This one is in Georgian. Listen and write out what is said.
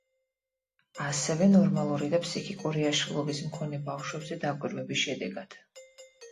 ასევე ნორმალური და ფსიქიკური აშლილობის მქონე ბავშვებზე დაკვირვების შედეგად.